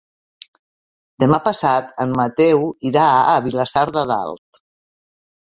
Demà passat en Mateu irà a Vilassar de Dalt.